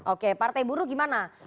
oke partai buruh gimana